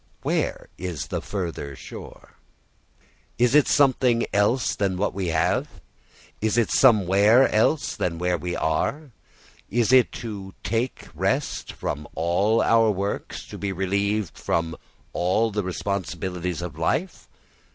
Where is the further shore? Is it something else than what we have? Is it somewhere else than where we are? Is it to take rest from all our works, to be relieved from all the responsibilities of life?